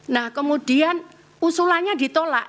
nah kemudian usulannya ditolak